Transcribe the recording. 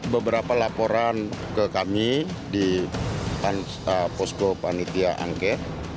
beberapa laporan ke kami di posko panitia angket